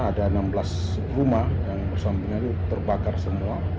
ada enam belas rumah yang bersangkutan itu terbakar semua